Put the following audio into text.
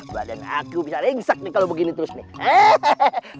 badan akyu bisa rengsak nih kalau begini terus nih